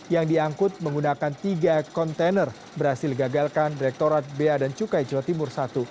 yang diangkut menggunakan tiga kontainer berhasil digagalkan direkturat bea dan cukai jawa timur i